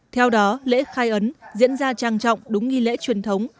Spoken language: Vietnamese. theo đó lễ khai ấn diễn ra trang trọng đúng nghi lễ truyền thống